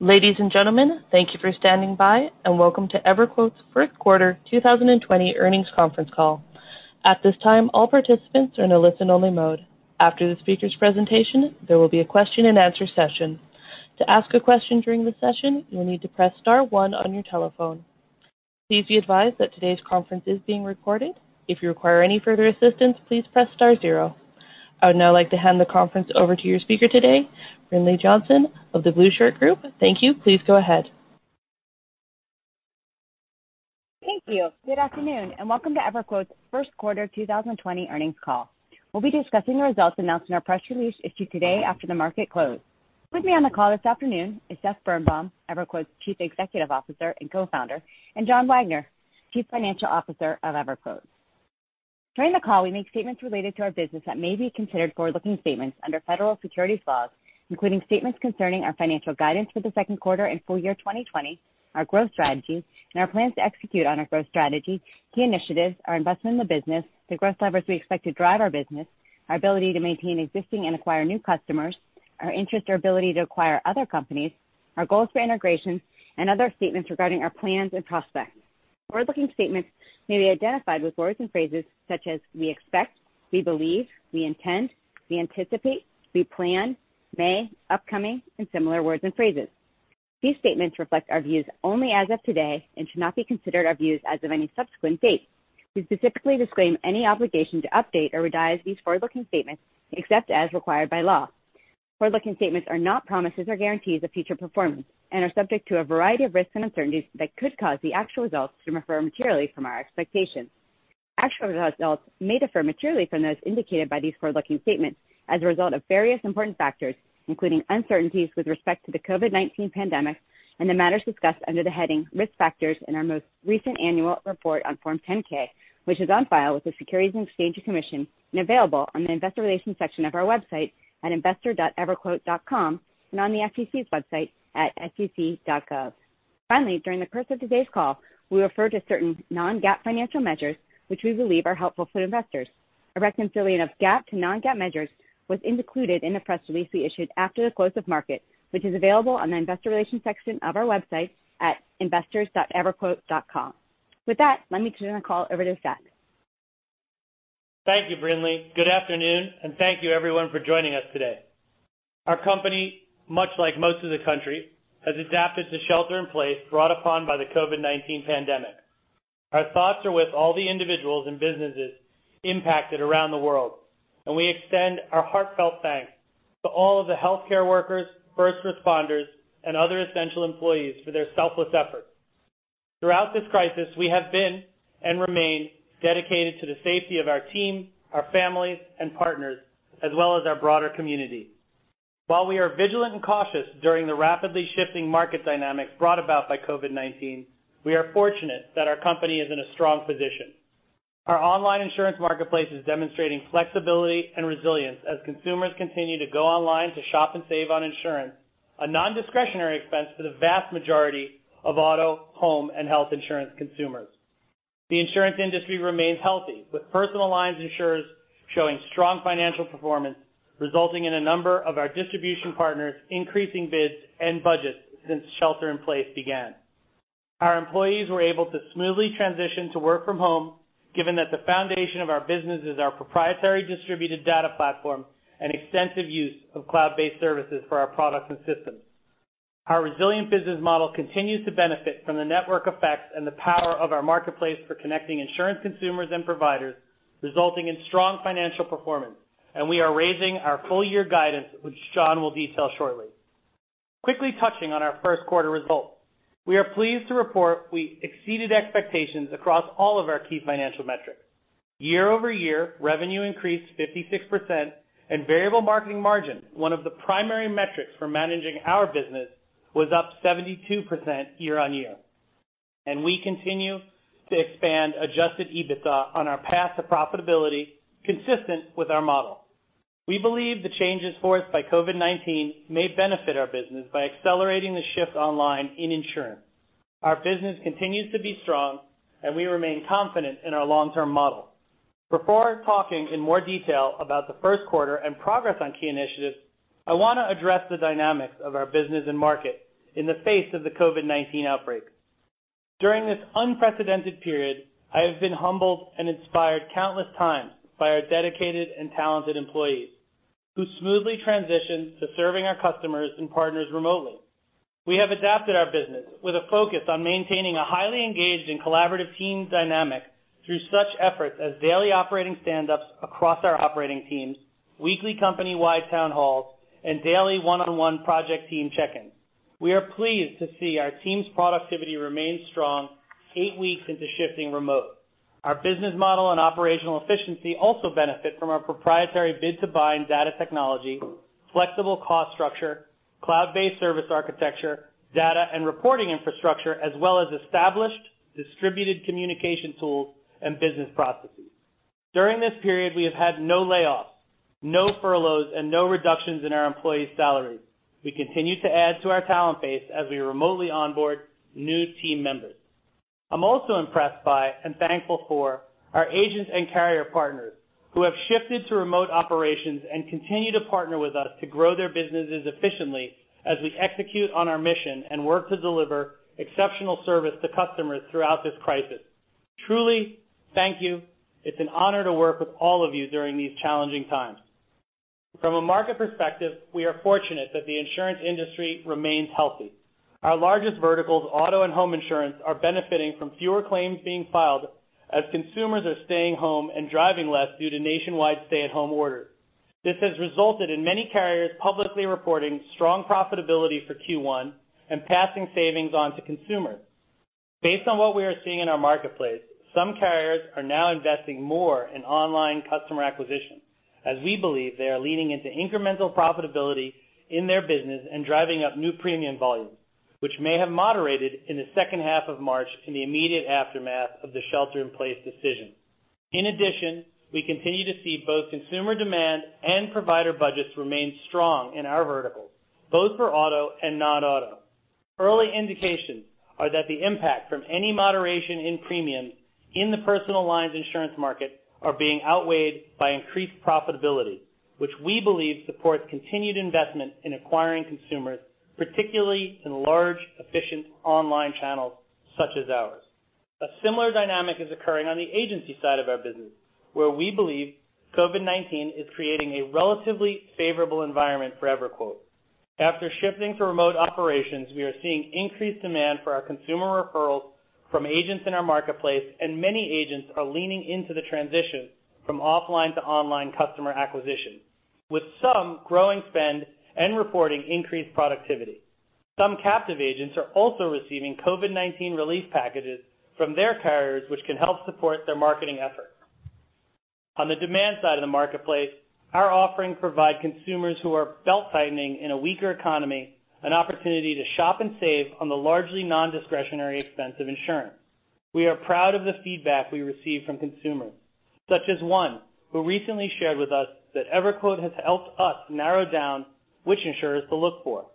Ladies and gentlemen, thank you for standing by and welcome to EverQuote's First Quarter 2020 Earnings Conference Call. At this time, all participants are in a listen-only mode. After the speakers' presentation, there will be a question and answer session. To ask a question during the session, you'll need to press star one on your telephone. Please be advised that today's conference is being recorded. If you require any further assistance, please press star zero. I would now like to hand the conference over to your speaker today, Brinlea Johnson of The Blueshirt Group. Thank you. Please go ahead. Thank you. Good afternoon, and welcome to EverQuote's first quarter 2020 earnings call. We'll be discussing the results announced in our press release issued today after the market closed. With me on the call this afternoon is Seth Birnbaum, EverQuote's Chief Executive Officer and Co-founder, and John Wagner, Chief Financial Officer of EverQuote. During the call, we make statements related to our business that may be considered forward-looking statements under federal securities laws, including statements concerning our financial guidance for the second quarter and full year 2020, our growth strategy, and our plans to execute on our growth strategy, key initiatives, our investment in the business, the growth levers we expect to drive our business, our ability to maintain existing and acquire new customers, our interest or ability to acquire other companies, our goals for integration, and other statements regarding our plans and prospects. Forward-looking statements may be identified with words and phrases such as we expect, we believe, we intend, we anticipate, we plan, may, upcoming, and similar words and phrases. These statements reflect our views only as of today and should not be considered our views as of any subsequent date. We specifically disclaim any obligation to update or revise these forward-looking statements except as required by law. Forward-looking statements are not promises or guarantees of future performance and are subject to a variety of risks and uncertainties that could cause the actual results to differ materially from our expectations. Actual results may differ materially from those indicated by these forward-looking statements as a result of various important factors, including uncertainties with respect to the COVID-19 pandemic and the matters discussed under the heading Risk Factors in our most recent annual report on Form 10-K, which is on file with the Securities and Exchange Commission and available on the investor relations section of our website at investor.everquote.com and on the SEC's website at sec.gov. Finally, during the course of today's call, we refer to certain non-GAAP financial measures which we believe are helpful for investors. A reconciliation of GAAP to non-GAAP measures was included in the press release we issued after the close of market, which is available on the investor relations section of our website at investors.everquote.com. With that, let me turn the call over to Seth. Thank you, Brinlea. Good afternoon, thank you everyone for joining us today. Our company, much like most of the country, has adapted to shelter in place brought upon by the COVID-19 pandemic. Our thoughts are with all the individuals and businesses impacted around the world, we extend our heartfelt thanks to all of the healthcare workers, first responders, and other essential employees for their selfless efforts. Throughout this crisis, we have been and remain dedicated to the safety of our team, our families, and partners, as well as our broader community. While we are vigilant and cautious during the rapidly shifting market dynamics brought about by COVID-19, we are fortunate that our company is in a strong position. Our online insurance marketplace is demonstrating flexibility and resilience as consumers continue to go online to shop and save on insurance, a non-discretionary expense for the vast majority of auto, home, and health insurance consumers. The insurance industry remains healthy, with personal lines insurers showing strong financial performance, resulting in a number of our distribution partners increasing bids and budgets since shelter in place began. Our employees were able to smoothly transition to work from home, given that the foundation of our business is our proprietary distributed data platform and extensive use of cloud-based services for our products and systems. Our resilient business model continues to benefit from the network effects and the power of our marketplace for connecting insurance consumers and providers, resulting in strong financial performance, and we are raising our full-year guidance, which John will detail shortly. Quickly touching on our first quarter results. We are pleased to report we exceeded expectations across all of our key financial metrics. Year-over-year, revenue increased 56%, and variable marketing margin, one of the primary metrics for managing our business, was up 72% year-on-year. We continue to expand adjusted EBITDA on our path to profitability consistent with our model. We believe the changes forced by COVID-19 may benefit our business by accelerating the shift online in insurance. Our business continues to be strong, and we remain confident in our long-term model. Before talking in more detail about the first quarter and progress on key initiatives, I want to address the dynamics of our business and market in the face of the COVID-19 outbreak. During this unprecedented period, I have been humbled and inspired countless times by our dedicated and talented employees, who smoothly transitioned to serving our customers and partners remotely. We have adapted our business with a focus on maintaining a highly engaged and collaborative team dynamic through such efforts as daily operating stand-ups across our operating teams, weekly company-wide town halls, and daily one-on-one project team check-ins. We are pleased to see our team's productivity remain strong eight weeks into shifting remote. Our business model and operational efficiency also benefit from our proprietary bid-to-bind data technology, flexible cost structure, cloud-based service architecture, data and reporting infrastructure, as well as established distributed communication tools and business processes. During this period, we have had no layoffs, no furloughs, and no reductions in our employees' salaries. We continue to add to our talent base as we remotely onboard new team members. I'm also impressed by, and thankful for our agents and carrier partners who have shifted to remote operations and continue to partner with us to grow their businesses efficiently as we execute on our mission and work to deliver exceptional service to customers throughout this crisis. Truly, thank you. It's an honor to work with all of you during these challenging times. From a market perspective, we are fortunate that the insurance industry remains healthy. Our largest verticals, auto and home insurance, are benefiting from fewer claims being filed as consumers are staying home and driving less due to nationwide stay-at-home orders. This has resulted in many carriers publicly reporting strong profitability for Q1 and passing savings on to consumers. Based on what we are seeing in our marketplace, some carriers are now investing more in online customer acquisition, as we believe they are leaning into incremental profitability in their business and driving up new premium volumes, which may have moderated in the second half of March in the immediate aftermath of the shelter-in-place decision. In addition, we continue to see both consumer demand and provider budgets remain strong in our verticals, both for auto and non-auto. Early indications are that the impact from any moderation in premiums in the personal lines insurance market are being outweighed by increased profitability, which we believe supports continued investment in acquiring consumers, particularly in large, efficient online channels such as ours. A similar dynamic is occurring on the agency side of our business, where we believe COVID-19 is creating a relatively favorable environment for EverQuote. After shifting to remote operations, we are seeing increased demand for our consumer referrals from agents in our marketplace, and many agents are leaning into the transition from offline to online customer acquisition, with some growing spend and reporting increased productivity. Some captive agents are also receiving COVID-19 relief packages from their carriers, which can help support their marketing efforts. On the demand side of the marketplace, our offerings provide consumers who are belt-tightening in a weaker economy an opportunity to shop and save on the largely non-discretionary expense of insurance. We are proud of the feedback we receive from consumers, such as one who recently shared with us that EverQuote has helped us narrow down which insurers to look for.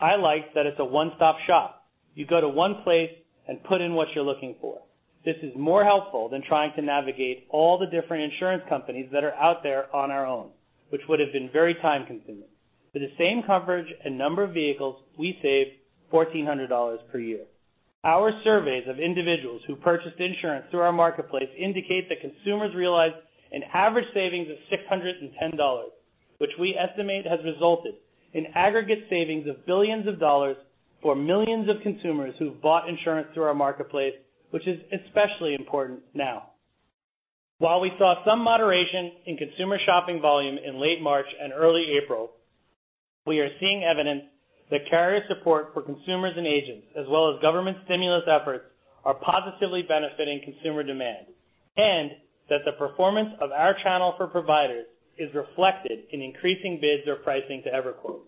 I like that it's a one-stop shop. You go to one place and put in what you're looking for. This is more helpful than trying to navigate all the different insurance companies that are out there on our own, which would have been very time-consuming. For the same coverage and number of vehicles, we save $1,400 per year. Our surveys of individuals who purchased insurance through our marketplace indicate that consumers realize an average savings of $610, which we estimate has resulted in aggregate savings of billions of dollars for millions of consumers who've bought insurance through our marketplace, which is especially important now. While we saw some moderation in consumer shopping volume in late March and early April, we are seeing evidence that carrier support for consumers and agents, as well as government stimulus efforts, are positively benefiting consumer demand, and that the performance of our channel for providers is reflected in increasing bids or pricing to EverQuote.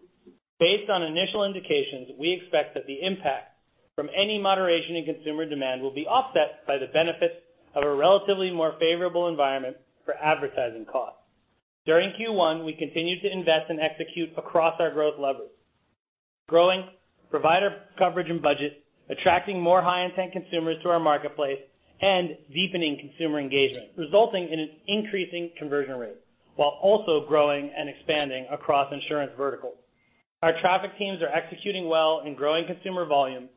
Based on initial indications, we expect that the impact from any moderation in consumer demand will be offset by the benefits of a relatively more favorable environment for advertising costs. During Q1, we continued to invest and execute across our growth levers, growing provider coverage and budget, attracting more high-intent consumers to our marketplace and deepening consumer engagement, resulting in an increasing conversion rate, while also growing and expanding across insurance verticals. Our traffic teams are executing well in growing consumer volume,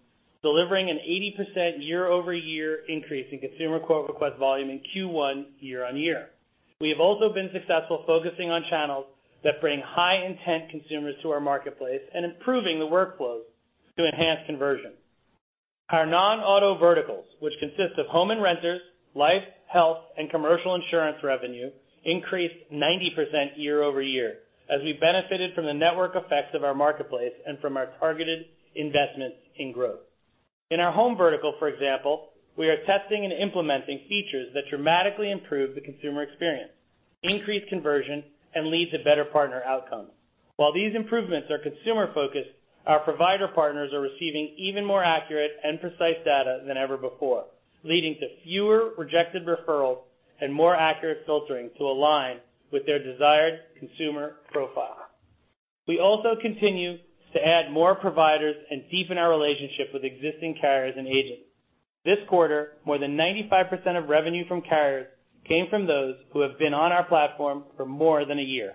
delivering an 80% year-over-year increase in consumer quote request volume in Q1 year on year. We have also been successful focusing on channels that bring high-intent consumers to our marketplace and improving the workflows to enhance conversion. Our non-auto verticals, which consist of home and renters, life, health, and commercial insurance revenue, increased 90% year-over-year as we benefited from the network effects of our marketplace and from our targeted investments in growth. In our home vertical, for example, we are testing and implementing features that dramatically improve the consumer experience, increase conversion, and lead to better partner outcomes. While these improvements are consumer-focused, our provider partners are receiving even more accurate and precise data than ever before, leading to fewer rejected referrals and more accurate filtering to align with their desired consumer profile. We also continue to add more providers and deepen our relationship with existing carriers and agents. This quarter, more than 95% of revenue from carriers came from those who have been on our platform for more than a year.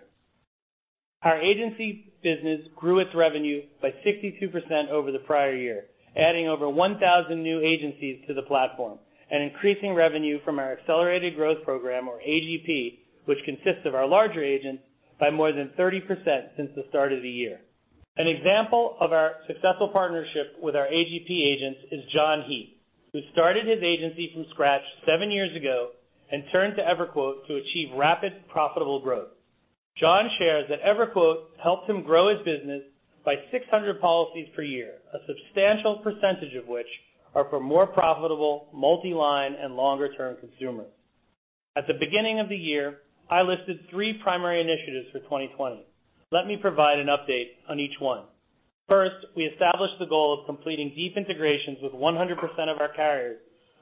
Our agency business grew its revenue by 62% over the prior year, adding over 1,000 new agencies to the platform and increasing revenue from our Accelerated Growth Program or AGP, which consists of our larger agents, by more than 30% since the start of the year. An example of our successful partnership with our AGP agents is John Heath, who started his agency from scratch seven years ago and turned to EverQuote to achieve rapid, profitable growth. John shares that EverQuote helps him grow his business by 600 policies per year, a substantial percentage of which are for more profitable multi-line and longer-term consumers. At the beginning of the year, I listed three primary initiatives for 2020. Let me provide an update on each one. First, we established the goal of completing deep integrations with 100% of our carriers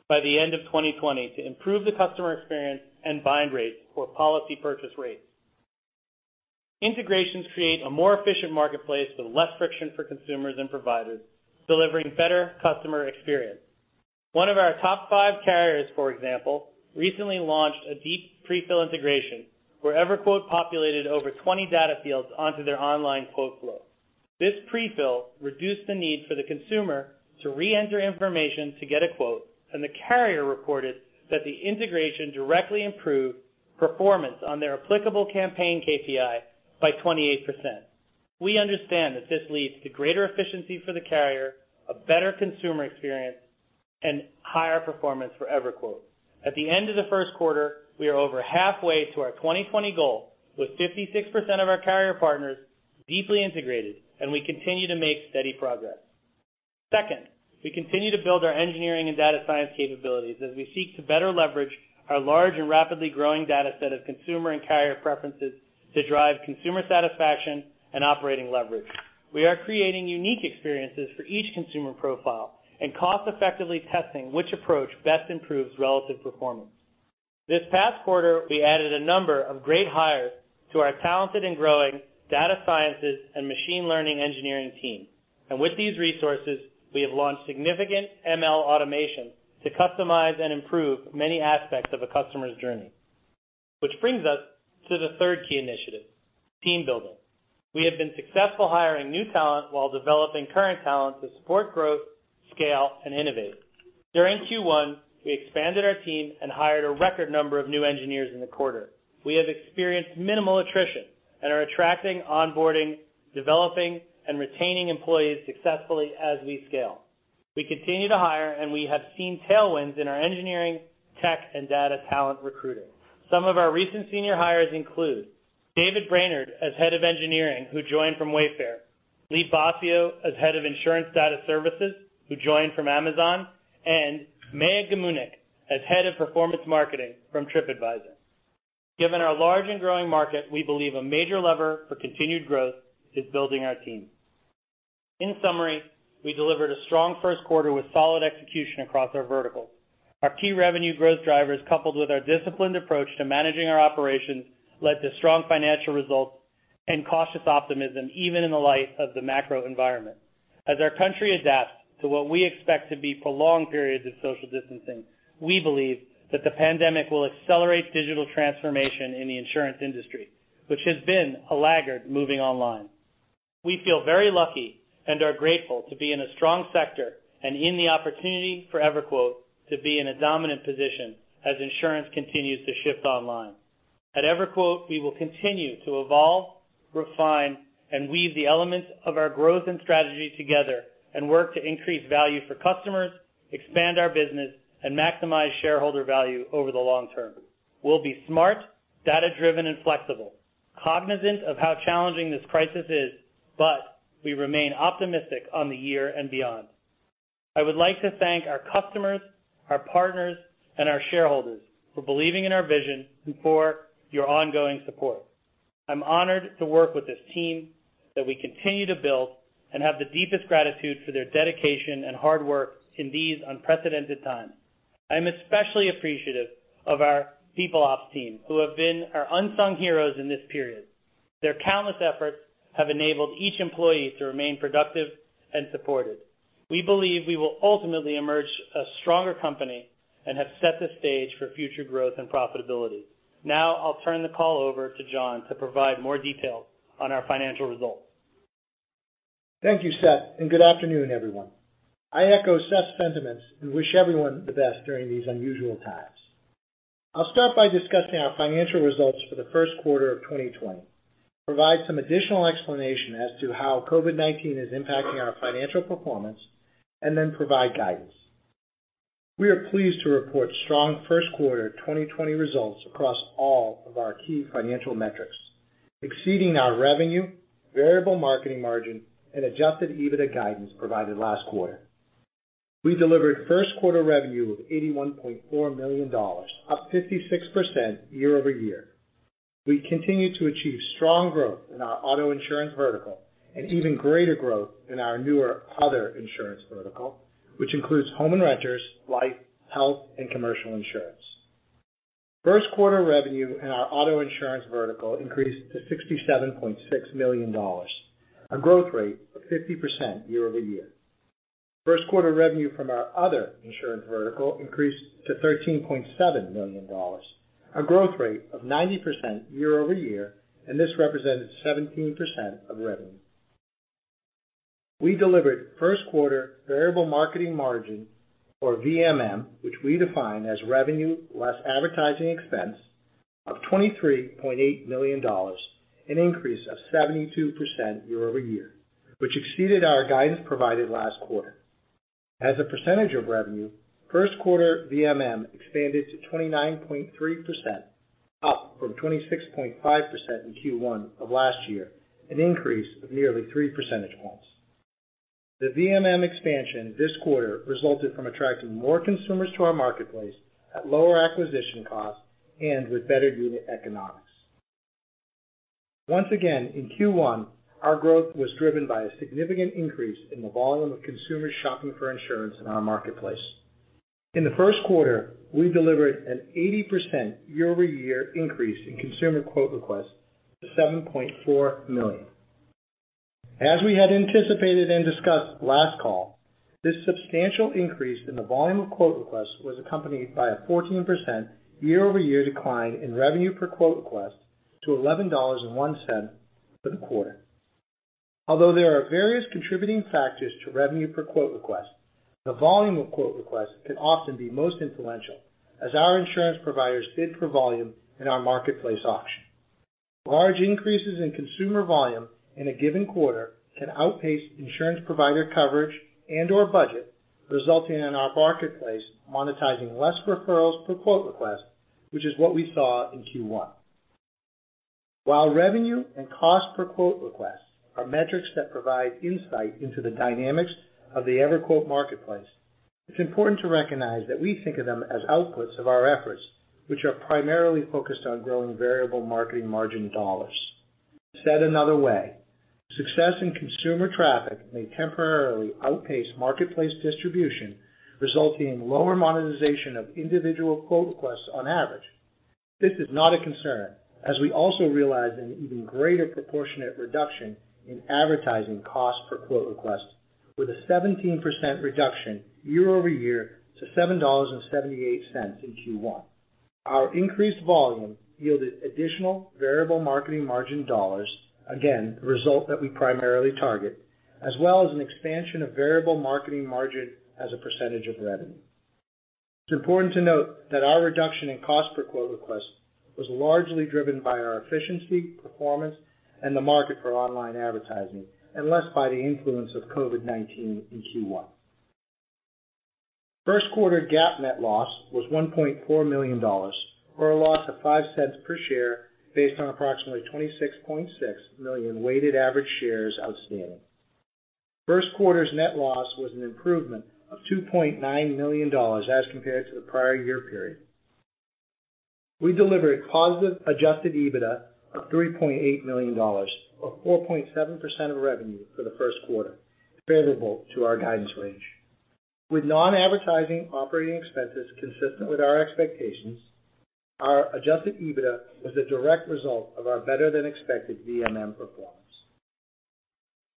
by the end of 2020 to improve the customer experience and bind rates or policy purchase rates. Integrations create a more efficient marketplace with less friction for consumers and providers, delivering better customer experience. One of our top five carriers, for example, recently launched a deep pre-fill integration where EverQuote populated over 20 data fields onto their online quote flow. This pre-fill reduced the need for the consumer to re-enter information to get a quote, and the carrier reported that the integration directly improved performance on their applicable campaign KPI by 28%. We understand that this leads to greater efficiency for the carrier, a better consumer experience, and higher performance for EverQuote. At the end of the first quarter, we are over halfway to our 2020 goal, with 56% of our carrier partners deeply integrated, and we continue to make steady progress. Second, we continue to build our engineering and data science capabilities as we seek to better leverage our large and rapidly growing data set of consumer and carrier preferences to drive consumer satisfaction and operating leverage. We are creating unique experiences for each consumer profile and cost-effectively testing which approach best improves relative performance. This past quarter, we added a number of great hires to our talented and growing data sciences and machine learning engineering team. With these resources, we have launched significant ML automation to customize and improve many aspects of a customer's journey. Which brings us to the third key initiative, team building. We have been successful hiring new talent while developing current talent to support growth, scale, and innovate. During Q1, we expanded our team and hired a record number of new engineers in the quarter. We have experienced minimal attrition and are attracting, onboarding, developing, and retaining employees successfully as we scale. We continue to hire, and we have seen tailwinds in our engineering, tech, and data talent recruiting. Some of our recent senior hires include David Brainard as head of engineering, who joined from Wayfair, Lee Bosio as head of insurance data services, who joined from Amazon, and Maya Gumennik as head of performance marketing from Tripadvisor. Given our large and growing market, we believe a major lever for continued growth is building our team. In summary, we delivered a strong first quarter with solid execution across our verticals. Our key revenue growth drivers, coupled with our disciplined approach to managing our operations, led to strong financial results and cautious optimism, even in the light of the macro environment. As our country adapts to what we expect to be prolonged periods of social distancing, we believe that the pandemic will accelerate digital transformation in the insurance industry, which has been a laggard moving online. We feel very lucky and are grateful to be in a strong sector and in the opportunity for EverQuote to be in a dominant position as insurance continues to shift online. At EverQuote, we will continue to evolve, refine, and weave the elements of our growth and strategy together and work to increase value for customers, expand our business, and maximize shareholder value over the long term. We'll be smart, data-driven, and flexible, cognizant of how challenging this crisis is, but we remain optimistic on the year and beyond. I would like to thank our customers, our partners, and our shareholders for believing in our vision and for your ongoing support. I'm honored to work with this team that we continue to build and have the deepest gratitude for their dedication and hard work in these unprecedented times. I'm especially appreciative of our people ops team, who have been our unsung heroes in this period. Their countless efforts have enabled each employee to remain productive and supported. We believe we will ultimately emerge a stronger company and have set the stage for future growth and profitability. I'll turn the call over to John to provide more details on our financial results. Thank you, Seth, and good afternoon, everyone. I echo Seth's sentiments and wish everyone the best during these unusual times. I'll start by discussing our financial results for the first quarter of 2020, provide some additional explanation as to how COVID-19 is impacting our financial performance, and then provide guidance. We are pleased to report strong first quarter 2020 results across all of our key financial metrics, exceeding our revenue, variable marketing margin, and adjusted EBITDA guidance provided last quarter. We delivered first quarter revenue of $81.4 million, up 56% year-over-year. We continued to achieve strong growth in our auto insurance vertical and even greater growth in our newer other insurance vertical, which includes home and renters, life, health, and commercial insurance. First quarter revenue in our auto insurance vertical increased to $67.6 million, a growth rate of 50% year-over-year. First quarter revenue from our other insurance vertical increased to $13.7 million, a growth rate of 90% year-over-year, and this represented 17% of revenue. We delivered first quarter variable marketing margin, or VMM, which we define as revenue less advertising expense of $23.8 million, an increase of 72% year-over-year, which exceeded our guidance provided last quarter. As a percentage of revenue, first quarter VMM expanded to 29.3%, up from 26.5% in Q1 of last year, an increase of nearly three percentage points. The VMM expansion this quarter resulted from attracting more consumers to our marketplace at lower acquisition costs and with better unit economics. Once again, in Q1, our growth was driven by a significant increase in the volume of consumers shopping for insurance in our marketplace. In the first quarter, we delivered an 80% year-over-year increase in consumer quote requests to 7.4 million. As we had anticipated and discussed last call, this substantial increase in the volume of quote requests was accompanied by a 14% year-over-year decline in revenue per quote request to $11.01 for the quarter. Although there are various contributing factors to revenue per quote request, the volume of quote requests can often be most influential as our insurance providers bid for volume in our marketplace auction. Large increases in consumer volume in a given quarter can outpace insurance provider coverage and/or budget, resulting in our marketplace monetizing less referrals per quote request, which is what we saw in Q1. While revenue and cost per quote request are metrics that provide insight into the dynamics of the EverQuote marketplace, it's important to recognize that we think of them as outputs of our efforts, which are primarily focused on growing variable marketing margin dollars. Said another way, success in consumer traffic may temporarily outpace marketplace distribution, resulting in lower monetization of individual quote requests on average. This is not a concern as we also realized an even greater proportionate reduction in advertising cost per quote request with a 17% reduction year-over-year to $7.78 in Q1. Our increased volume yielded additional variable marketing margin dollars, again, the result that we primarily target, as well as an expansion of variable marketing margin as a percentage of revenue. It's important to note that our reduction in cost per quote request was largely driven by our efficiency, performance, and the market for online advertising, and less by the influence of COVID-19 in Q1. First quarter GAAP net loss was $1.4 million, or a loss of $0.05 per share based on approximately 26.6 million weighted average shares outstanding. First quarter's net loss was an improvement of $2.9 million as compared to the prior year period. We delivered positive adjusted EBITDA of $3.8 million or 4.7% of revenue for the first quarter, favorable to our guidance range. With non-advertising operating expenses consistent with our expectations, our adjusted EBITDA was a direct result of our better than expected VMM performance.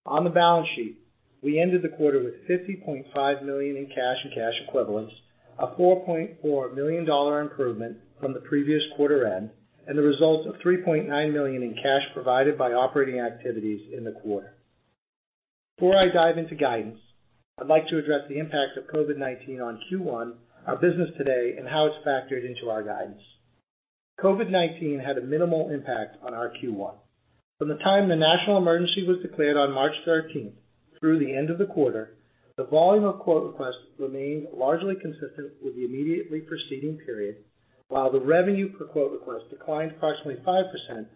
On the balance sheet, we ended the quarter with $50.5 million in cash and cash equivalents, a $4.4 million improvement from the previous quarter end and the result of $3.9 million in cash provided by operating activities in the quarter. Before I dive into guidance, I'd like to address the impact of COVID-19 on Q1, our business today, and how it's factored into our guidance. COVID-19 had a minimal impact on our Q1. From the time the national emergency was declared on March 13th through the end of the quarter, the volume of quote requests remained largely consistent with the immediately preceding period, while the revenue per quote request declined approximately 5%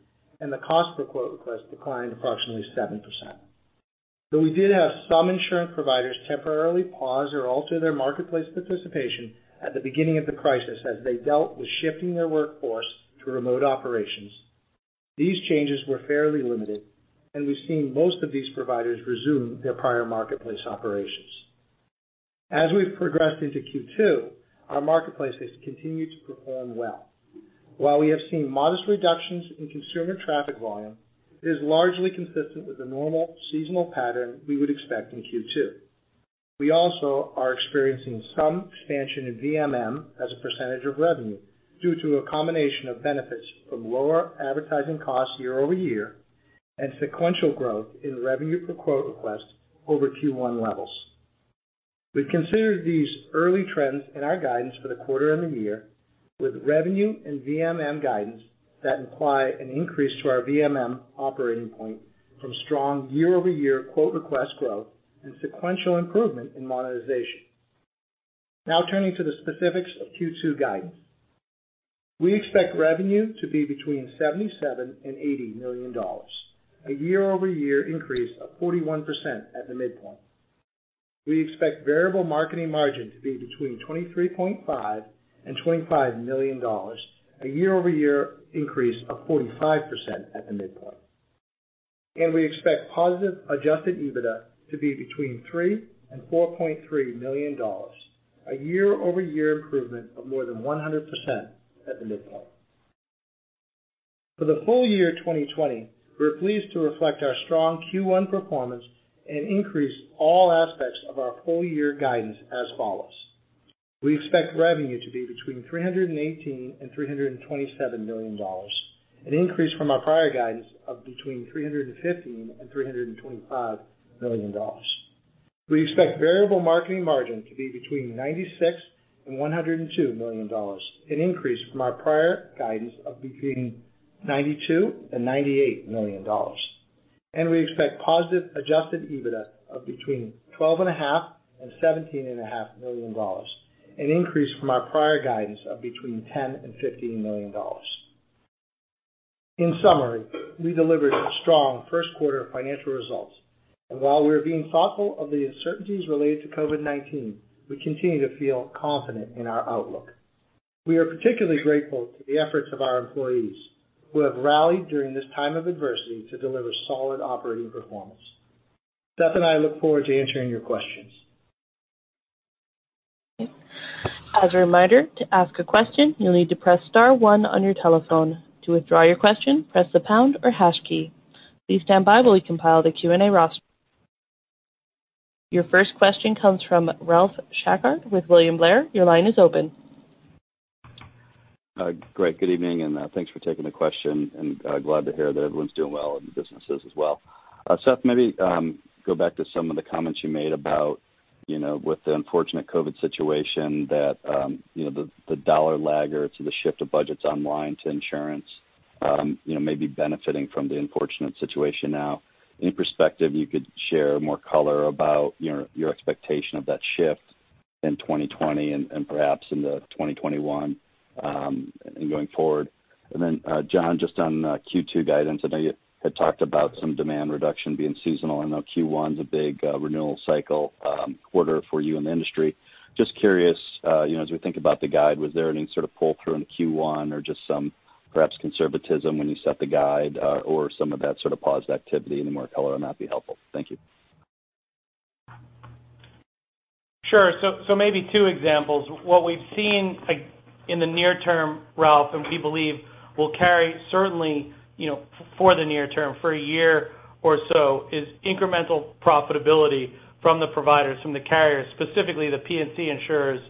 and the cost per quote request declined approximately 7%. Though we did have some insurance providers temporarily pause or alter their marketplace participation at the beginning of the crisis as they dealt with shifting their workforce to remote operations, these changes were fairly limited, and we've seen most of these providers resume their prior marketplace operations. As we've progressed into Q2, our marketplace has continued to perform well. While we have seen modest reductions in consumer traffic volume, it is largely consistent with the normal seasonal pattern we would expect in Q2. We also are experiencing some expansion in VMM as a percentage of revenue due to a combination of benefits from lower advertising costs year-over-year and sequential growth in revenue per quote request over Q1 levels. We've considered these early trends in our guidance for the quarter and the year with revenue and VMM guidance that imply an increase to our VMM operating point from strong year-over-year quote request growth and sequential improvement in monetization. Turning to the specifics of Q2 guidance. We expect revenue to be between $77 million and $80 million, a year-over-year increase of 41% at the midpoint. We expect variable marketing margin to be between $23.5 million and $25 million, a year-over-year increase of 45% at the midpoint. We expect positive adjusted EBITDA to be between $3 million and $4.3 million, a year-over-year improvement of more than 100% at the midpoint. For the full year 2020, we're pleased to reflect our strong Q1 performance and increase all aspects of our full year guidance as follows. We expect revenue to be between $318 million and $327 million, an increase from our prior guidance of between $315 million and $325 million. We expect variable marketing margin to be between $96 million and $102 million, an increase from our prior guidance of between $92 million and $98 million. We expect positive adjusted EBITDA of between $12.5 million and $17.5 million, an increase from our prior guidance of between $10 million and $15 million. In summary, we delivered strong first quarter financial results. While we are being thoughtful of the uncertainties related to COVID-19, we continue to feel confident in our outlook. We are particularly grateful to the efforts of our employees who have rallied during this time of adversity to deliver solid operating performance. Seth and I look forward to answering your questions. As a reminder, to ask a question, you'll need to press star one on your telephone. To withdraw your question, press the pound or hash key. Please stand by while we compile the Q&A roster. Your first question comes from Ralph Schackart with William Blair. Your line is open. Great. Good evening, thanks for taking the question, and glad to hear that everyone's doing well, and the business is as well. Seth, maybe go back to some of the comments you made about, with the unfortunate COVID situation that the dollar lag or the shift of budgets online to insurance may be benefiting from the unfortunate situation now. Any perspective you could share, more color about your expectation of that shift in 2020 and perhaps into 2021, going forward? John, just on Q2 guidance, I know you had talked about some demand reduction being seasonal. I know Q1's a big renewal cycle quarter for you in the industry. Just curious, as we think about the guide, was there any sort of pull-through in Q1 or just some perhaps conservatism when you set the guide or some of that sort of paused activity? Any more color on that'd be helpful. Thank you. Sure. Maybe two examples. What we've seen in the near term, Ralph, and we believe will carry certainly, for the near term for a year or so, is incremental profitability from the providers, from the carriers, specifically the P&C insurers,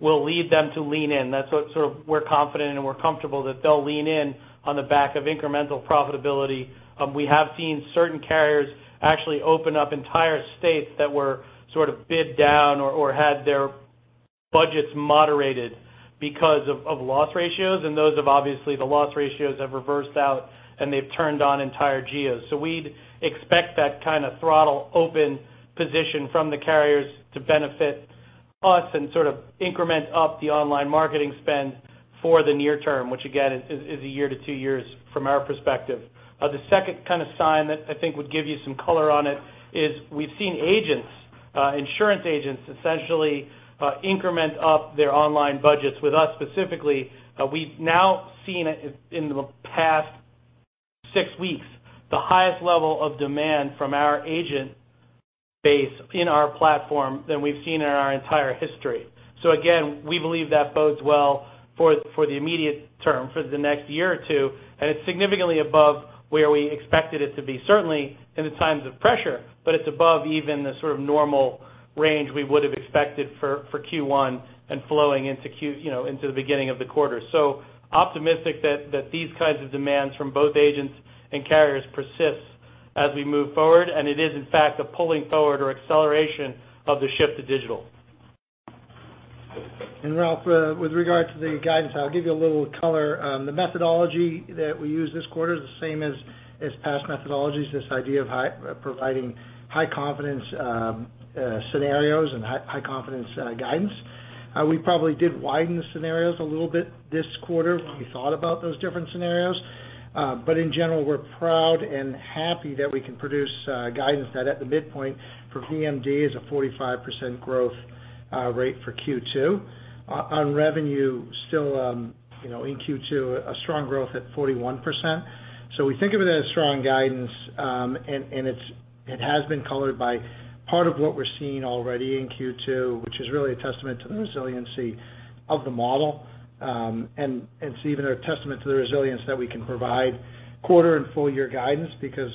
will lead them to lean in. That's what we're confident and we're comfortable that they'll lean in on the back of incremental profitability. We have seen certain carriers actually open up entire states that were sort of bid down or had their budgets moderated because of loss ratios, and those have obviously, the loss ratios have reversed out, and they've turned on entire geos. We'd expect that kind of throttle open position from the carriers to benefit us and sort of increment up the online marketing spend for the near term, which again, is a year to two years from our perspective. The second kind of sign that I think would give you some color on it is we've seen agents, insurance agents essentially increment up their online budgets with us specifically. We've now seen in the past six weeks, the highest level of demand from our agent base in our platform than we've seen in our entire history. Again, we believe that bodes well for the immediate term, for the next year or two. It's significantly above where we expected it to be, certainly in the times of pressure, but it's above even the sort of normal range we would've expected for Q1 and flowing into the beginning of the quarter. Optimistic that these kinds of demands from both agents and carriers persist as we move forward, and it is in fact a pulling forward or acceleration of the shift to digital. Ralph, with regard to the guidance, I'll give you a little color. The methodology that we used this quarter is the same as past methodologies, this idea of providing high confidence scenarios and high confidence guidance. We probably did widen the scenarios a little bit this quarter when we thought about those different scenarios. In general, we're proud and happy that we can produce guidance that at the midpoint for VMM is a 45% growth rate for Q2. On revenue, still in Q2, a strong growth at 41%. We think of it as strong guidance, and it has been colored by part of what we're seeing already in Q2, which is really a testament to the resiliency of the model. It's even a testament to the resilience that we can provide quarter and full year guidance because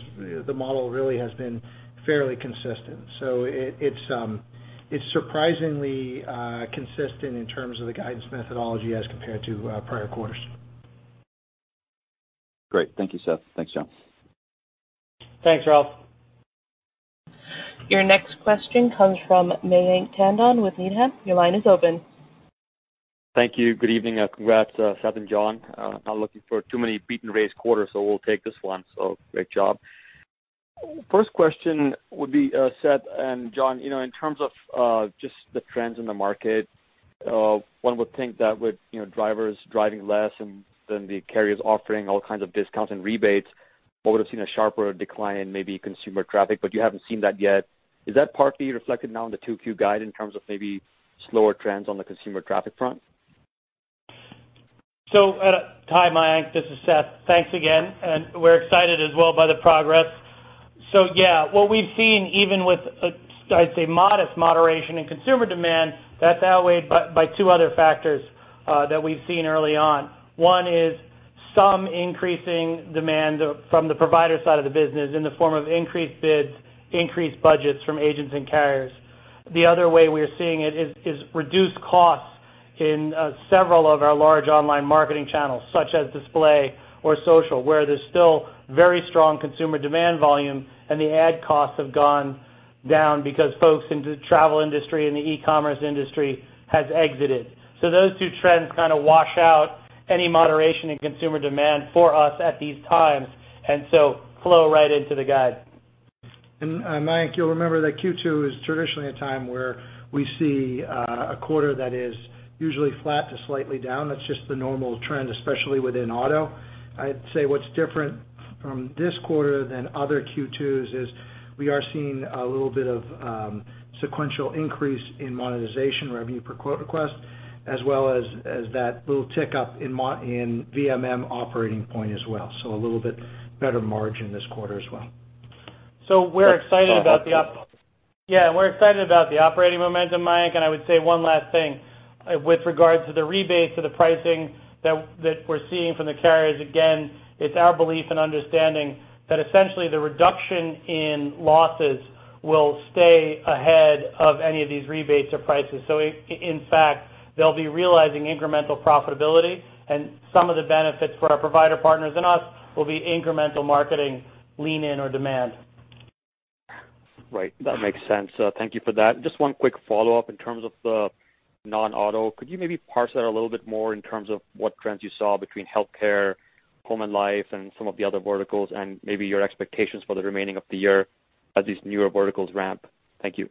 the model really has been fairly consistent. It's surprisingly consistent in terms of the guidance methodology as compared to prior quarters. Great. Thank you, Seth. Thanks, John. Thanks, Ralph. Your next question comes from Mayank Tandon with Needham. Your line is open. Thank you. Good evening. Congrats, Seth and John. Not looking for too many beat and raise quarters, we'll take this one. Great job. First question would be, Seth and John, in terms of just the trends in the market, one would think that with drivers driving less and then the carriers offering all kinds of discounts and rebates, one would've seen a sharper decline in maybe consumer traffic, you haven't seen that yet. Is that partly reflected now in the 2Q guide in terms of maybe slower trends on the consumer traffic front? Hi, Mayank. This is Seth. Thanks again. We're excited as well by the progress. Yeah. What we've seen, even with, I'd say modest moderation in consumer demand, that's outweighed by two other factors that we've seen early on. One is some increasing demand from the provider side of the business in the form of increased bids, increased budgets from agents and carriers. The other way we are seeing it is reduced costs in several of our large online marketing channels, such as display or social, where there's still very strong consumer demand volume, and the ad costs have gone down because folks in the travel industry and the e-commerce industry has exited. Those two trends kind of wash out any moderation in consumer demand for us at these times, and so flow right into the guide. Mayank, you'll remember that Q2 is traditionally a time where we see a quarter that is usually flat to slightly down. That's just the normal trend, especially within auto. I'd say what's different from this quarter than other Q2s is we are seeing a little bit of sequential increase in monetization revenue per quote request, as well as that little tick up in VMM operating point as well. A little bit better margin this quarter as well. Yeah, we're excited about the operating momentum, Mayank, and I would say one last thing with regards to the rebates or the pricing that we're seeing from the carriers. Again, it's our belief and understanding that essentially the reduction in losses will stay ahead of any of these rebates or prices. In fact, they'll be realizing incremental profitability and some of the benefits for our provider partners and us will be incremental marketing, lean in or demand. Right. That makes sense. Thank you for that. Just one quick follow-up in terms of the non-auto, could you maybe parse that a little bit more in terms of what trends you saw between healthcare, home and life, and some of the other verticals, and maybe your expectations for the remaining of the year as these newer verticals ramp? Thank you.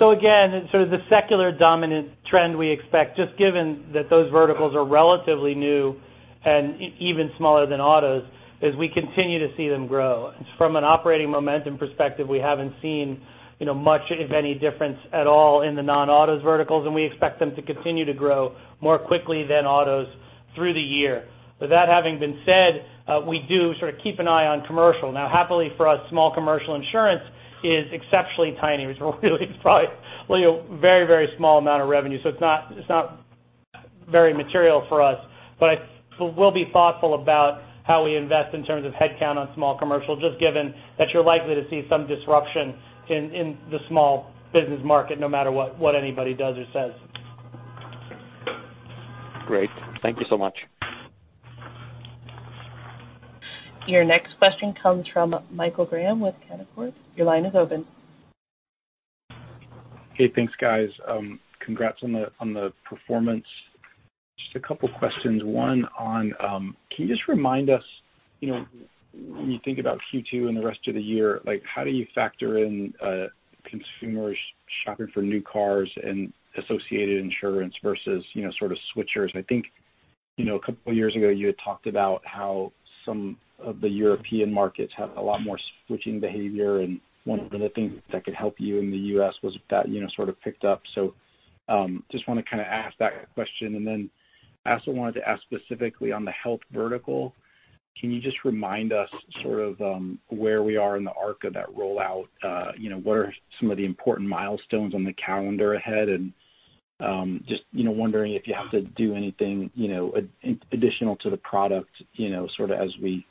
Again, sort of the secular dominant trend we expect, just given that those verticals are relatively new and even smaller than autos, is we continue to see them grow. From an operating momentum perspective, we haven't seen much, if any, difference at all in the non-autos verticals, and we expect them to continue to grow more quickly than autos through the year. With that having been said, we do sort of keep an eye on commercial. Now, happily for us, small commercial insurance is exceptionally tiny, which really is probably a very small amount of revenue. It's not very material for us. We'll be thoughtful about how we invest in terms of headcount on small commercial, just given that you're likely to see some disruption in the small business market no matter what anybody does or says. Great. Thank you so much. Your next question comes from Michael Graham with Canaccord. Your line is open. Hey, thanks guys. Congrats on the performance. Just a couple questions. Can you just remind us, when you think about Q2 and the rest of the year, how do you factor in consumers shopping for new cars and associated insurance versus switchers? I think a couple years ago you had talked about how some of the European markets have a lot more switching behavior, one of the things that could help you in the U.S. was if that sort of picked up. Just want to kind of ask that question. I also wanted to ask specifically on the health vertical, can you just remind us sort of where we are in the arc of that rollout? What are some of the important milestones on the calendar ahead? Just wondering if you have to do anything additional to the product as we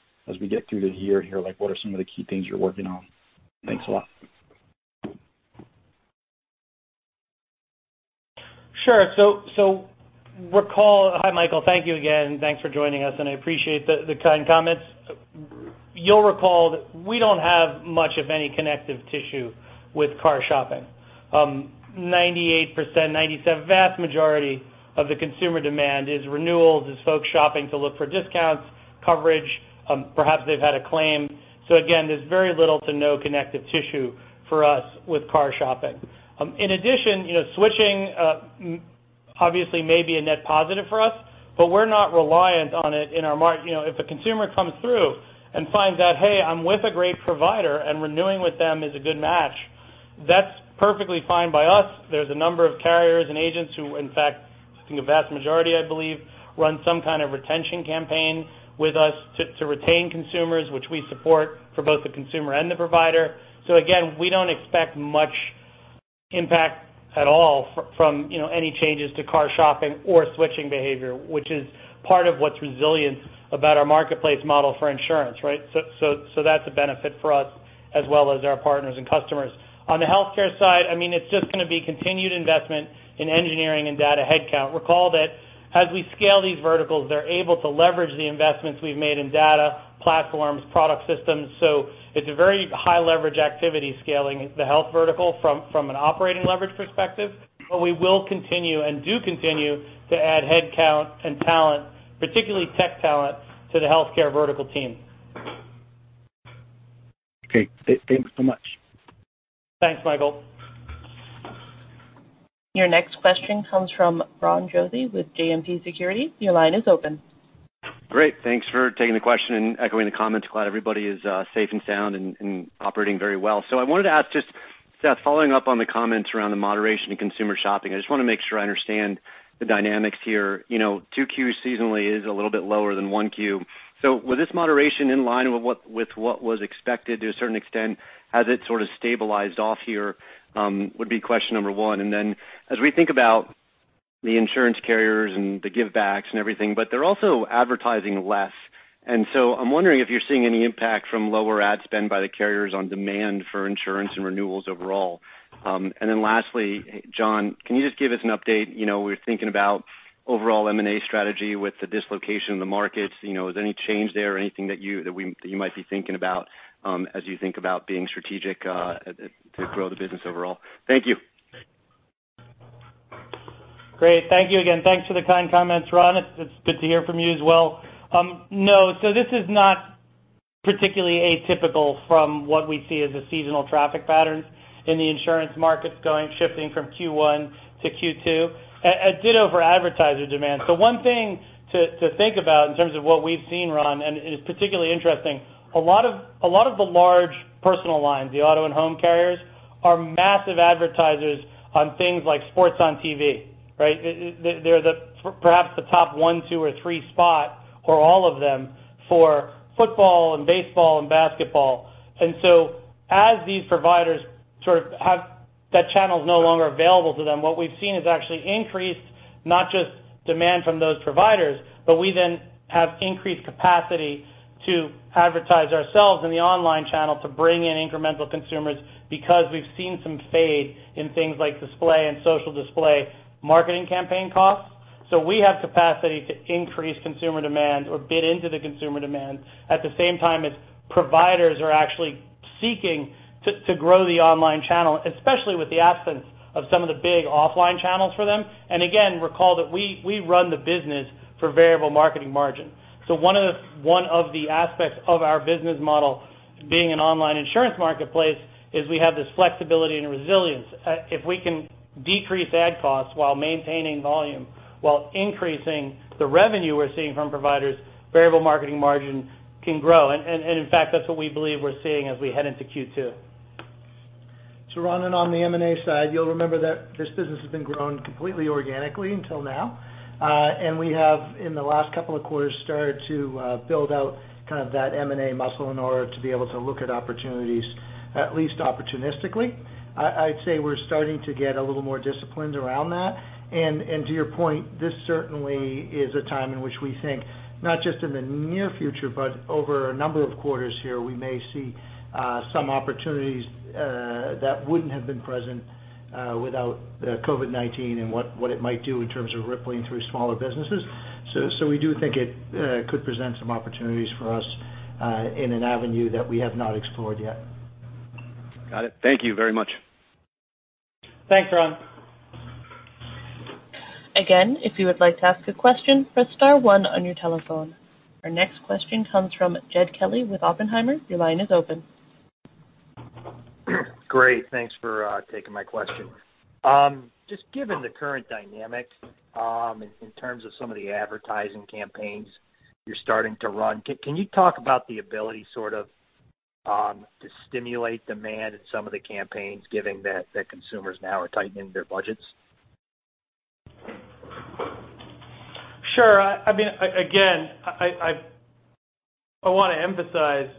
get through the year here, what are some of the key things you're working on? Thanks a lot. Sure. Hi, Michael. Thank you again. Thanks for joining us, and I appreciate the kind comments. You'll recall that we don't have much of any connective tissue with car shopping. 98%, 97%, vast majority of the consumer demand is renewals, is folks shopping to look for discounts, coverage, perhaps they've had a claim. Again, there's very little to no connective tissue for us with car shopping. In addition, switching obviously may be a net positive for us, but we're not reliant on it in our market. If a consumer comes through and finds out, hey, I'm with a great provider and renewing with them is a good match, that's perfectly fine by us. There's a number of carriers and agents who, in fact, I think a vast majority, I believe, run some kind of retention campaign with us to retain consumers, which we support for both the consumer and the provider. Again, we don't expect much impact at all from any changes to car shopping or switching behavior, which is part of what's resilient about our marketplace model for insurance, right? That's a benefit for us as well as our partners and customers. On the healthcare side, it's just going to be continued investment in engineering and data headcount. Recall that as we scale these verticals, they're able to leverage the investments we've made in data, platforms, product systems. It's a very high-leverage activity, scaling the health vertical from an operating leverage perspective. We will continue and do continue to add headcount and talent, particularly tech talent, to the healthcare vertical team. Okay. Thanks so much. Thanks, Michael. Your next question comes from Ron Josey with JMP Securities. Your line is open. Great. Thanks for taking the question and echoing the comments. Glad everybody is safe and sound and operating very well. I wanted to ask just, Seth, following up on the comments around the moderation in consumer shopping, I just want to make sure I understand the dynamics here. Two Q seasonally is a little bit lower than 1Q. Was this moderation in line with what was expected to a certain extent, has it sort of stabilized off here? Would be question number one. As we think about the insurance carriers and the give backs and everything, but they're also advertising less. I'm wondering if you're seeing any impact from lower ad spend by the carriers on demand for insurance and renewals overall. Lastly, John, can you just give us an update? We're thinking about overall M&A strategy with the dislocation of the markets. Is there any change there or anything that you might be thinking about as you think about being strategic to grow the business overall? Thank you. Great. Thank you again. Thanks for the kind comments, Ron. It's good to hear from you as well. No, this is not particularly atypical from what we see as a seasonal traffic pattern in the insurance markets going, shifting from Q1 to Q2. Ditto for advertiser demand. One thing to think about in terms of what we've seen, Ron, and it's particularly interesting, a lot of the large personal lines, the auto and home carriers are massive advertisers on things like sports on TV, right? They're perhaps the top one, two, or three spot, or all of them, for football and baseball and basketball. As these providers have that channel is no longer available to them, what we've seen is actually increased, not just demand from those providers, but we then have increased capacity to advertise ourselves in the online channel to bring in incremental consumers because we've seen some fade in things like display and social display marketing campaign costs. We have capacity to increase consumer demand or bid into the consumer demand at the same time as providers are actually seeking to grow the online channel, especially with the absence of some of the big offline channels for them. Again, recall that we run the business for variable marketing margin. One of the aspects of our business model being an online insurance marketplace is we have this flexibility and resilience. If we can decrease ad costs while maintaining volume, while increasing the revenue we're seeing from providers, variable marketing margin can grow. In fact, that's what we believe we're seeing as we head into Q2. Ron, on the M&A side, you'll remember that this business has been growing completely organically until now. We have, in the last couple of quarters, started to build out that M&A muscle in order to be able to look at opportunities, at least opportunistically. I'd say we're starting to get a little more disciplined around that. To your point, this certainly is a time in which we think, not just in the near future, but over a number of quarters here, we may see some opportunities that wouldn't have been present without COVID-19 and what it might do in terms of rippling through smaller businesses. We do think it could present some opportunities for us in an avenue that we have not explored yet. Got it. Thank you very much. Thanks, Ron. Again, if you would like to ask a question, press star one on your telephone. Our next question comes from Jed Kelly with Oppenheimer. Your line is open. Great. Thanks for taking my question. Just given the current dynamics in terms of some of the advertising campaigns you're starting to run, can you talk about the ability to stimulate demand in some of the campaigns given that consumers now are tightening their budgets? Sure. Again, I want to emphasize,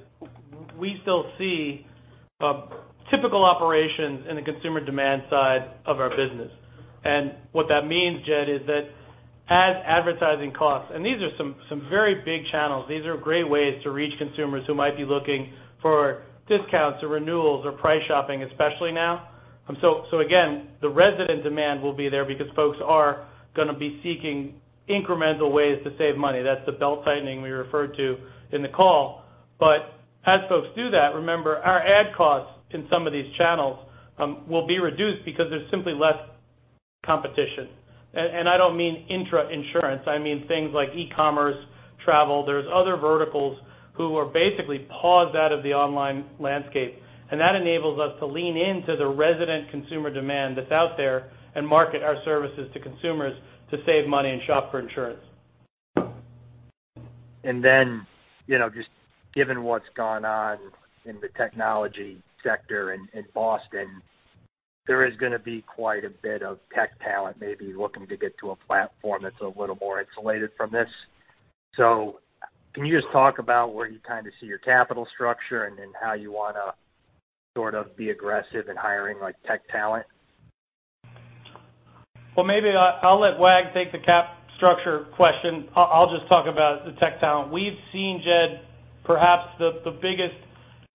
we still see typical operations in the consumer demand side of our business. What that means, Jed, is that as advertising costs, these are some very big channels. These are great ways to reach consumers who might be looking for discounts or renewals or price shopping, especially now. Again, the resident demand will be there because folks are going to be seeking incremental ways to save money. That's the belt-tightening we referred to in the call. As folks do that, remember, our ad costs in some of these channels will be reduced because there's simply less competition. I don't mean intra-insurance, I mean things like e-commerce, travel. There's other verticals who are basically paused out of the online landscape. That enables us to lean into the resident consumer demand that's out there and market our services to consumers to save money and shop for insurance. Just given what's gone on in the technology sector in Boston, there is going to be quite a bit of tech talent maybe looking to get to a platform that's a little more insulated from this. Can you just talk about where you see your capital structure, and then how you want to be aggressive in hiring tech talent? Well, maybe I'll let Wag take the cap structure question. I'll just talk about the tech talent. We've seen, Jed, perhaps the biggest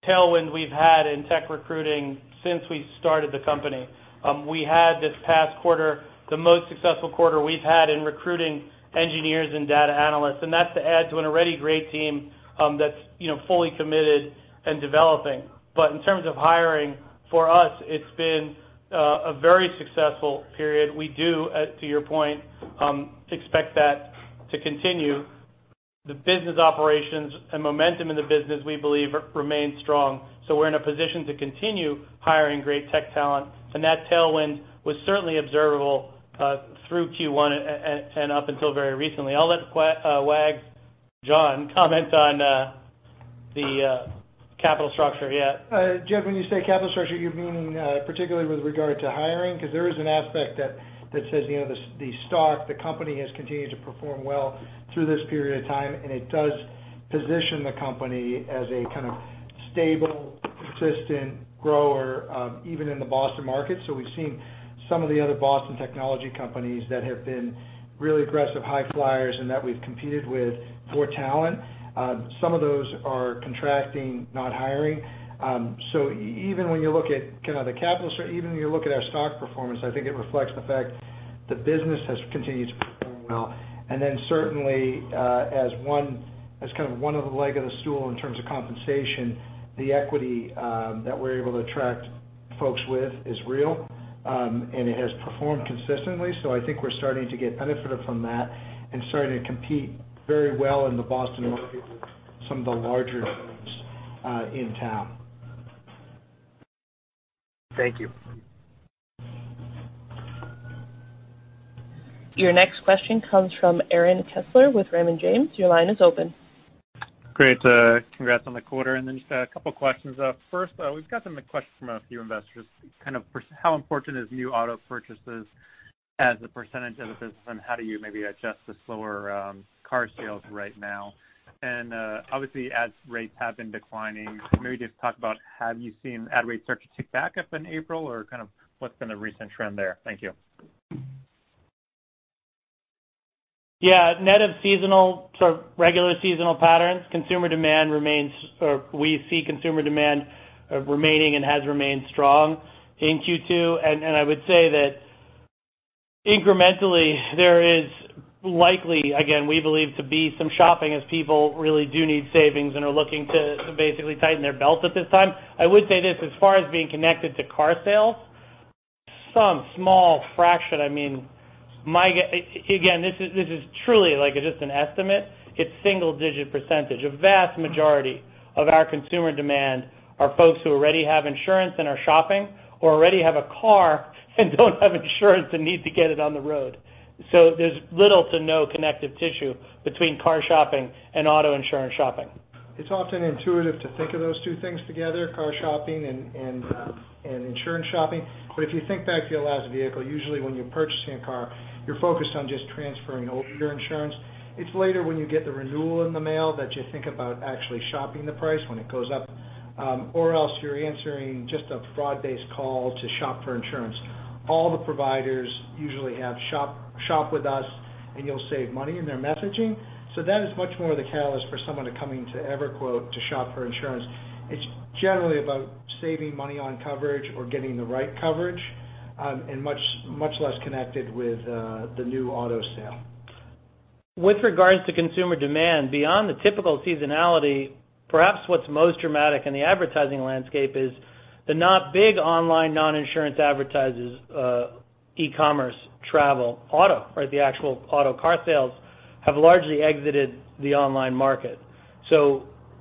tailwind we've had in tech recruiting since we started the company. We had this past quarter, the most successful quarter we've had in recruiting engineers and data analysts, and that's to add to an already great team that's fully committed and developing. In terms of hiring, for us, it's been a very successful period. We do, to your point, expect that to continue. The business operations and momentum in the business, we believe remains strong. We're in a position to continue hiring great tech talent, and that tailwind was certainly observable through Q1 and up until very recently. I'll let Wag, John, comment on the capital structure yet. Jed, when you say capital structure, you mean particularly with regard to hiring? There is an aspect that says, the stock, the company has continued to perform well through this period of time, and it does position the company as a kind of stable, consistent grower even in the Boston market. We've seen some of the other Boston technology companies that have been really aggressive high flyers and that we've competed with for talent. Some of those are contracting, not hiring. Even when you look at our stock performance, I think it reflects the fact the business has continued to perform well. Certainly, as kind of one of the leg of the stool in terms of compensation, the equity that we're able to attract folks with is real, and it has performed consistently. I think we're starting to get benefited from that and starting to compete very well in the Boston market with some of the larger firms in town. Thank you. Your next question comes from Aaron Kessler with Raymond James. Your line is open. Great. Congrats on the quarter. Just a couple questions. First, we've gotten a question from a few investors. How important is new auto purchases as a percentage of the business, and how do you maybe adjust to slower car sales right now? Obviously as rates have been declining, can you maybe just talk about, have you seen ad rates start to tick back up in April, or what's been the recent trend there? Thank you. Yeah. Net of seasonal, sort of regular seasonal patterns, we see consumer demand remaining and has remained strong in Q2. I would say that incrementally, there is likely, again, we believe to be some shopping as people really do need savings and are looking to basically tighten their belts at this time. I would say this, as far as being connected to car sales, some small fraction. Again, this is truly just an estimate. It's single-digit percentage. A vast majority of our consumer demand are folks who already have insurance and are shopping, or already have a car and don't have insurance and need to get it on the road. There's little to no connective tissue between car shopping and auto insurance shopping. It's often intuitive to think of those two things together, car shopping and insurance shopping. If you think back to your last vehicle, usually when you're purchasing a car, you're focused on just transferring over your insurance. It's later when you get the renewal in the mail that you think about actually shopping the price when it goes up, or else you're answering just a broad-based call to shop for insurance. All the providers usually have, "Shop with us and you'll save money," in their messaging. That is much more the catalyst for someone coming to EverQuote to shop for insurance. It's generally about saving money on coverage or getting the right coverage, and much less connected with the new auto sale. With regards to consumer demand, beyond the typical seasonality, perhaps what's most dramatic in the advertising landscape is the big online non-insurance advertisers, e-commerce, travel, auto, or the actual auto car sales, have largely exited the online market.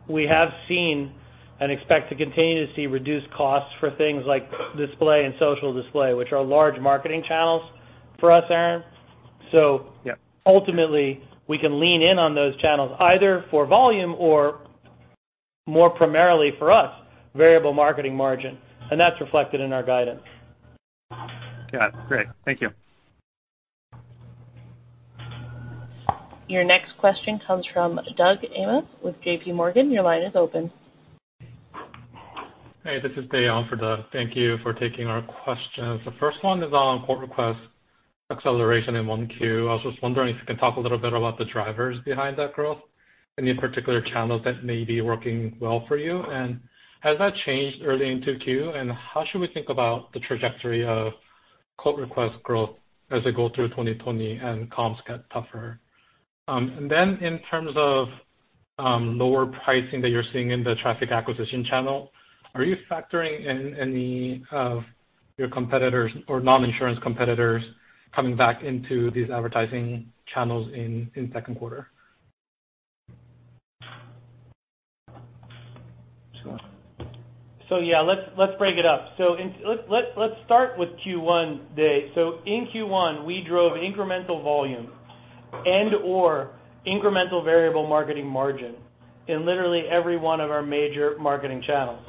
We have seen, and expect to continue to see, reduced costs for things like display and social display, which are large marketing channels for us, Aaron. Yeah. Ultimately, we can lean in on those channels either for volume or more primarily for us, variable marketing margin, and that's reflected in our guidance. Got it. Great. Thank you. Your next question comes from Doug Anmuth with J.P. Morgan. Your line is open. Hey, this is Dae on for Doug. Thank you for taking our questions. The first one is on quote request acceleration in one Q. I was just wondering if you can talk a little bit about the drivers behind that growth. Any particular channels that may be working well for you? Has that changed early into Q? How should we think about the trajectory of quote request growth as we go through 2020 and comps get tougher? Then in terms of lower pricing that you're seeing in the traffic acquisition channel, are you factoring in any of your competitors or non-insurance competitors coming back into these advertising channels in second quarter? Yeah. Let's break it up. Let's start with Q1, Dae. In Q1, we drove incremental volume and/or incremental variable marketing margin in literally every one of our major marketing channels.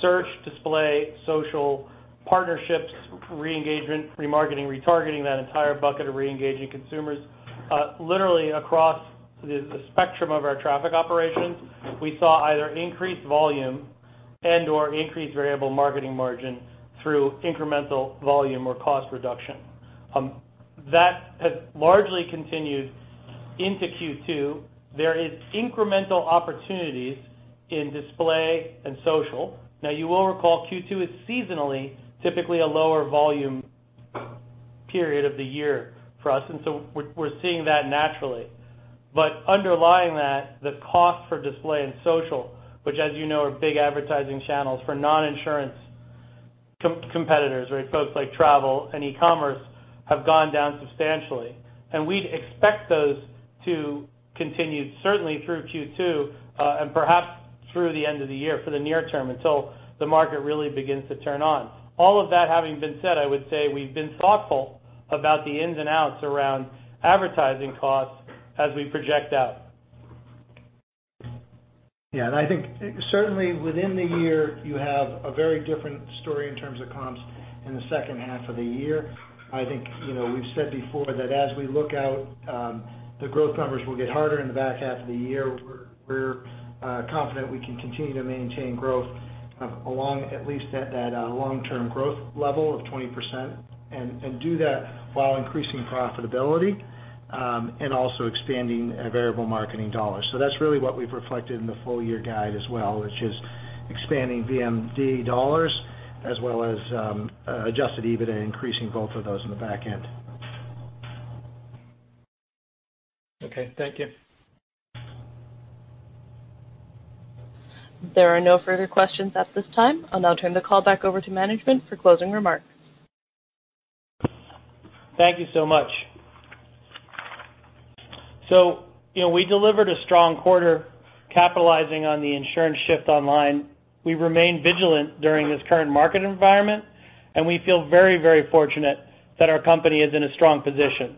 Search, display, social, partnerships, re-engagement, remarketing, retargeting, that entire bucket of re-engaging consumers. Literally across the spectrum of our traffic operations, we saw either increased volume and/or increased variable marketing margin through incremental volume or cost reduction. That has largely continued into Q2. There is incremental opportunities in display and social. You will recall, Q2 is seasonally typically a lower volume period of the year for us, and so we're seeing that naturally. Underlying that, the cost for display and social, which as you know, are big advertising channels for non-insurance competitors, folks like travel and e-commerce, have gone down substantially. We'd expect those to continue, certainly through Q2, and perhaps through the end of the year for the near term, until the market really begins to turn on. All of that having been said, I would say we've been thoughtful about the ins and outs around advertising costs as we project out. Yeah, I think certainly within the year, you have a very different story in terms of comps in the second half of the year. I think we've said before that as we look out, the growth numbers will get harder in the back half of the year. We're confident we can continue to maintain growth along at least that long-term growth level of 20%, and do that while increasing profitability, and also expanding variable marketing dollars. That's really what we've reflected in the full year guide as well, which is expanding VMM dollars as well as adjusted EBITDA, increasing both of those in the back end. Okay, thank you. There are no further questions at this time. I'll now turn the call back over to management for closing remarks. Thank you so much. We delivered a strong quarter capitalizing on the insurance shift online. We remain vigilant during this current market environment, and we feel very fortunate that our company is in a strong position.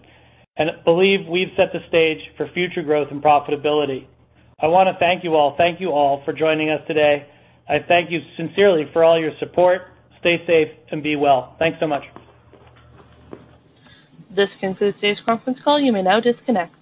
Believe we've set the stage for future growth and profitability. I want to thank you all for joining us today. I thank you sincerely for all your support. Stay safe and be well. Thanks so much. This concludes today's conference call. You may now disconnect.